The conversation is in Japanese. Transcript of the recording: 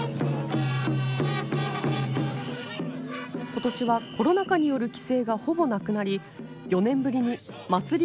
今年はコロナ禍による規制がほぼなくなり４年ぶりに祭り